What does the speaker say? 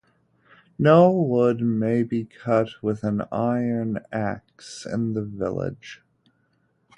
No wood may be cut with an iron axe in the village.